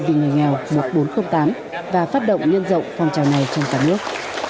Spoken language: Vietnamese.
vì người nghèo một nghìn bốn trăm linh tám và phát động nhân rộng phong trào này trong cả nước